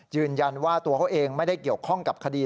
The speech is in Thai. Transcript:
ยืนยันว่าตัวเขาเองไม่ได้เกี่ยวข้องกับคดี